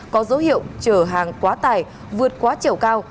có dấu hiệu chở hàng quá tải vượt quá chiều cao